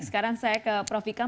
sekarang saya ke prof ikam